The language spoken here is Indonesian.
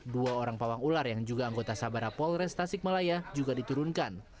dua orang pawang ular yang juga anggota sabara polres tasikmalaya juga diturunkan